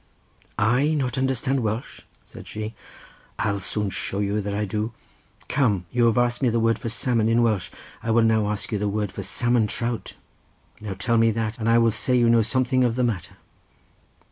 "I not understand Welsh!" said she. "I'll soon show you that I do. Come, you have asked me the word for salmon in Welsh, I will now ask you the word for salmon trout. Now tell me that, and I will say you know something of the matter."